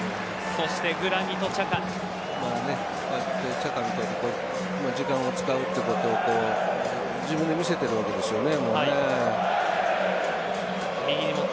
チャカ見ていると時間を使うということ自分で見せているわけですよね。